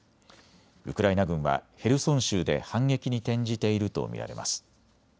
ウクライナ軍はヘルソン州で反撃に転じていると見られます。